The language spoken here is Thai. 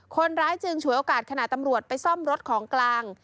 คนร้ายจึงฉวยโอกาสขณะตำรวจไปซ่อมรถของกลาง